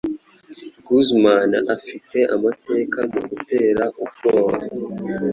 Guzman afite amateka mu gutera ubwoba